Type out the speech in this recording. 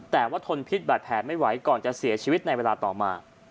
แต่ว่าทนพิษบาดแผลไม่ไหวก่อนจะเสียชีวิตในเวลาต่อมา